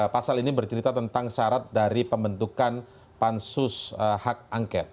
pasal ini bercerita tentang syarat dari pembentukan pansus hak angket